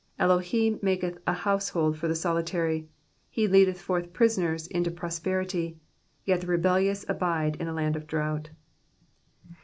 7 Elohim maketh a household for the solitary, He leadeth forth prisoners into prosperity ; Yet the rebellious abide in a land of drought.